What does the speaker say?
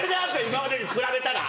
今までに比べたら！